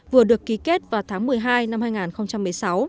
vừa được ký kết vào tháng một mươi hai năm hai nghìn một mươi sáu